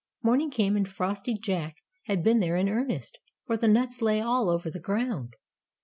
Morning came and frosty Jack had been there in earnest, for the nuts lay all over the ground.